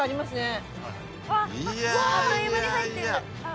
あっという間に入ってる刃が。